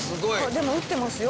でも撃ってますよ。